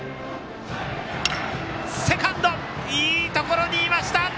セカンド、いいところにいました。